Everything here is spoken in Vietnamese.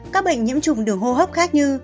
các bệnh nhiễm trùng đường hô hốc khác như